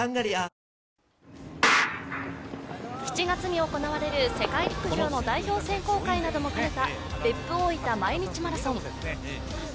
７月に行われる世界陸上の代表選考会なども兼ねた別府大分毎日マラソン。